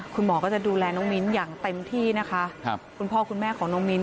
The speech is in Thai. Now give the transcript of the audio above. คุณหมอก็จะดูแลน้องมิ้นอย่างเต็มที่นะคะคุณพ่อคุณแม่ของน้องมิ้นท